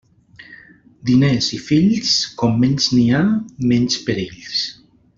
Diners i fills, com menys n'hi ha, menys perills.